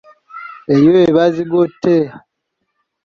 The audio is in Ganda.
Eyo eba zigote.